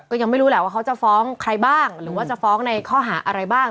ก็ยังไม่รู้แหละว่าเขาจะฟ้องใครบ้างหรือว่าจะฟ้องในข้อหาอะไรบ้าง